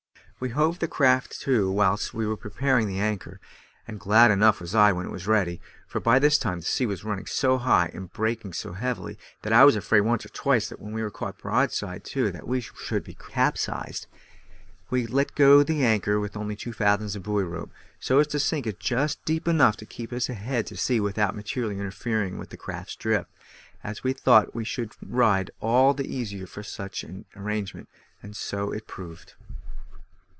We hove the craft to whilst we were preparing the anchor, and glad enough was I when it was ready; for by this time the sea was running so high and breaking so heavily, that I was afraid once or twice, when we were caught broadside to, that we should be capsized. We let go the anchor with only two fathoms of buoy rope, so as to sink it just deep enough to keep us head to sea without materially interfering with the craft's drift, as we thought we should ride all the easier for such an arrangement, and so it proved.